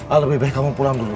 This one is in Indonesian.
ah lebih baik kamu pulang dulu